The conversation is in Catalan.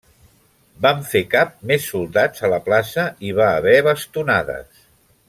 Van fer cap més soldats a la plaça i hi va haver bastonades.